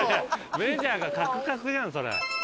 メジャーがカクカクじゃんそれ。